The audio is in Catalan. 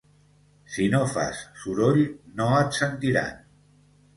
Si no fas soroll no et sentiran.